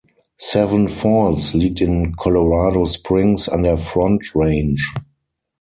Seven Falls liegt in Colorado Springs an der Front Range.